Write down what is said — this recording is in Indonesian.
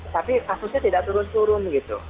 tapi kasusnya tidak turun turun gitu